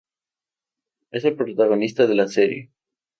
Es el protagonista de la serie.